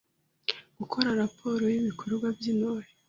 c. Gukora raporo y’ibikorwa by’Intore;